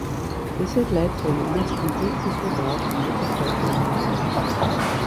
This had led to an almost complete disregard for native folklore and tradition.